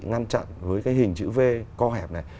ngăn chặn với cái hình chữ v co hẹp này